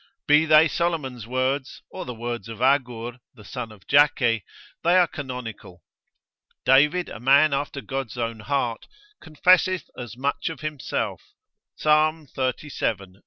Be they Solomon's words, or the words of Agur, the son of Jakeh, they are canonical. David, a man after God's own heart, confesseth as much of himself, Psal. xxxvii.